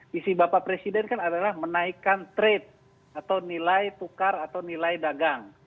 visi bapak presiden kan adalah menaikkan trade atau nilai tukar atau nilai dagang